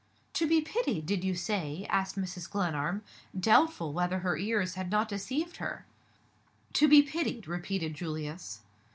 "To be pitied did you say?" asked Mrs. Glenarm, doubtful whether her ears had not deceived her. "To be pitied," repeated Julius.